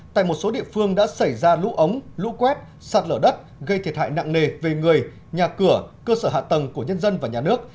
tại một số địa phương đã xảy ra lũ ống lũ quét sạt lở đất gây thiệt hại nặng nề về người nhà cửa cơ sở hạ tầng của nhân dân và nhà nước